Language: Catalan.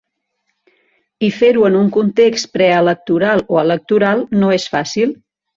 I fer-ho en un context preelectoral o electoral no és fàcil.